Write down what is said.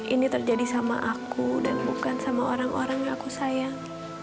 ini terjadi sama aku dan bukan sama orang orang yang aku sayang